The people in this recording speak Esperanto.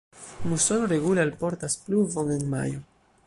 Musono regule alportas pluvon en majo.